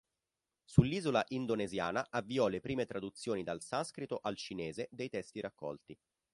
Sull'isola indonesiana avviò le prime traduzioni dal sanscrito al cinese dei testi raccolti.